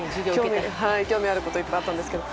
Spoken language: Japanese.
興味があることがいっぱいあったんですけど。